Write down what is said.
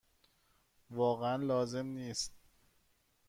واقعا لازم نیست.